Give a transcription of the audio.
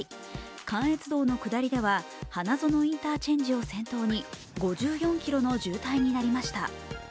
関越道の下りでは花園インターチェンジを先頭に５４ｋｍの渋滞になりました。